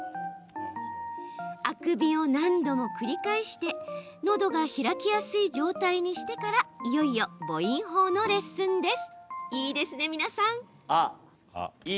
あくびを何度も繰り返してのどが開きやすい状態にしてからいよいよ母音法のレッスンです。